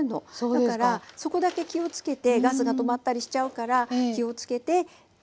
だからそこだけ気をつけてガスが止まったりしちゃうから気をつけて火加減。